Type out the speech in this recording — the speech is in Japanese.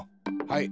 はい。